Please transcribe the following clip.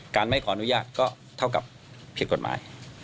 ไม่ขออนุญาตก็เท่ากับผิดกฎหมาย